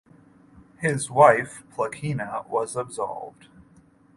His wife Placina was absolved.